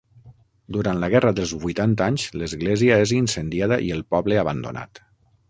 Durant la Guerra dels Vuitanta Anys l'església és incendiada i el poble abandonat.